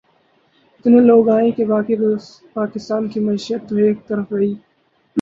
اتنے لوگ آئیں کہ باقی پاکستان کی معیشت تو ایک طرف رہی